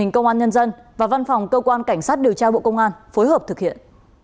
công an phòng cơ quan cảnh sát điều tra bộ công an phối hợp thực hiện